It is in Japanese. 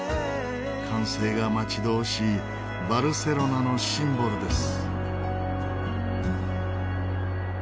完成が待ち遠しいバルセロナのシンボルです。